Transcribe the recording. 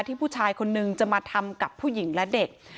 ผู้ชายคนนึงจะมาทำกับผู้หญิงและเด็ก